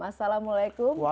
assalamualaikum k h m faiz